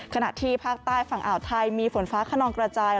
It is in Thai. ขณะที่ภาคใต้ฝั่งอ่าวไทยมีฝนฟ้าขนองกระจาย